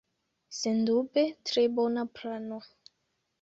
Sendube tre bona plano!